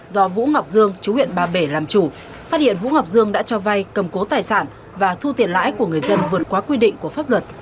do vũ ngọc dương chú huyện ba bể làm chủ phát hiện vũ ngọc dương đã cho vay cầm cố tài sản và thu tiền lãi của người dân vượt qua quy định của pháp luật